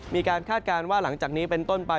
คาดการณ์ว่าหลังจากนี้เป็นต้นไป